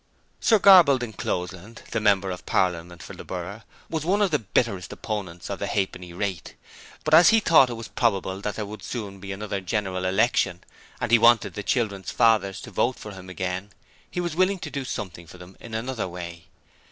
Sir Graball D'Encloseland, the Member of Parliament for the borough, was one of the bitterest opponents of the halfpenny rate, but as he thought it was probable that there would soon be another General Election and he wanted the children's fathers to vote for him again, he was willing to do something for them in another way.